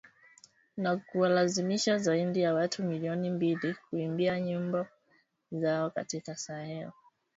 na kuwalazimisha zaidi ya watu milioni mbili kukimbia nyumba zao katika Sahel